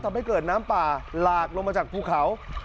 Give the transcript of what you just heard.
ทำให้เกิดน้ำป่าหลากลงมาจากภูเขา